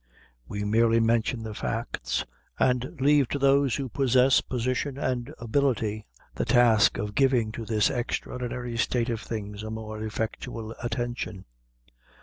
We merely mention the facts, and leave to those who possess position and ability, the task of giving to this extraordinary state of things a more effectual attention.